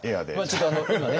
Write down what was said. ちょっと今ね